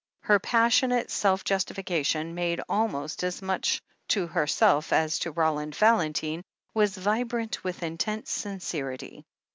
Her passionate self justification, made almost as much to herself as to Roland Valentine, was vibrant with in tense sincerity.